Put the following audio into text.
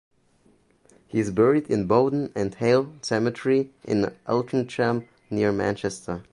He is buried in Bowden and Hale Cemetery in Altrincham near Manchester.